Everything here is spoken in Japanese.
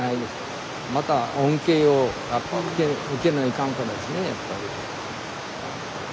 また恩恵をやっぱ受けないかんからですねやっぱり。